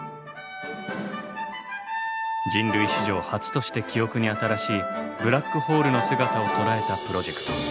人類史上初として記憶に新しいブラックホールの姿を捉えたプロジェクト。